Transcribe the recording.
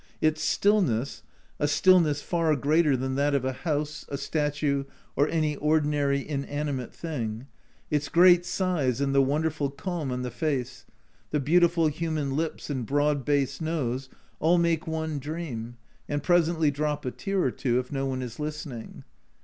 Its stillness (a stillness far A Journal from Japan 87 greater than that of a house, a statue, or any ordinary inanimate thing), its great size and the wonderful calm on the face, the beautiful human lips and broad based nose, all make one dream and presently drop a tear or two if no one is looking.